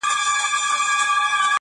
كومه يوه خپله كړم_